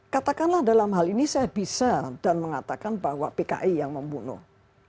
katakanlah dalam hal ini saya bisa dan mengatakan bahwa pki yang membunuh